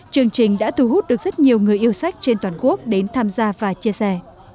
chương trình đã thu hút được rất nhiều người yêu sách trên toàn quốc đến tham gia và chia sẻ